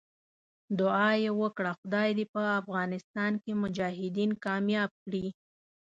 دعا یې وکړه خدای دې په افغانستان کې مجاهدین کامیاب کړي.